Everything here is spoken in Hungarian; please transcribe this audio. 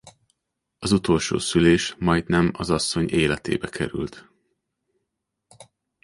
Az utolsó szülés majdnem az asszony életébe került.